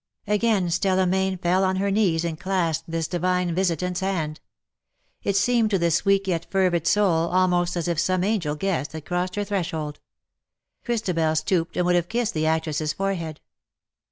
Again Stella Mayne fell on her knees and clasped this divine visitant^s hand. It seemed to this weak yet fervid soul almost as if some angel guest had crossed her threshold. Christabel stooped and would have kissed the actress's forehead.